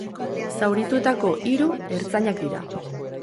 Zaurituetako hiru ertzainak dira.